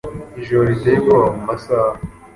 Ijoro riteye ubwoba mumasaha.